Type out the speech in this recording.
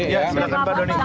selamat pagi pak doni